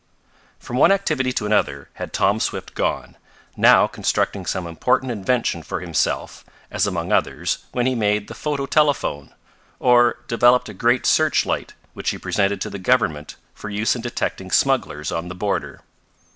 From one activity to another had Tom Swift gone, now constructing some important invention for himself, as among others, when he made the photo telephone, or developed a great searchlight which he presented to the Government for use in detecting smugglers on the border.